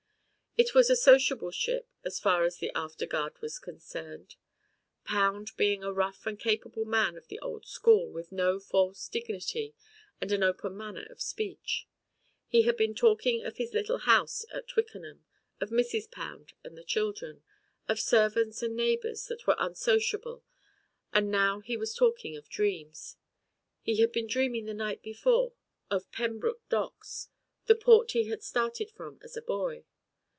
It was a sociable ship as far as the afterguard was concerned. Pound being a rough and capable man of the old school with no false dignity and an open manner of speech. He had been talking of his little house at Twickenham, of Mrs. Pound and the children, of servants and neighbours that were unsociable and now he was talking of dreams. He had been dreaming the night before of Pembroke docks, the port he had started from as a boy.